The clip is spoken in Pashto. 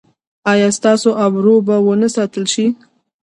ایا ستاسو ابرو به و نه ساتل شي؟